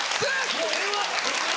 もうええわ！